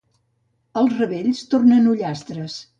Els revells tornen ullastres.